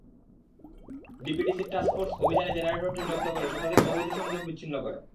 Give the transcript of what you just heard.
ডিপিডিসির task force অভিযানে জেনারেটরটি জব্দ করে শতাধিক অবৈধ সংযোগ বিচ্ছিন্ন করে।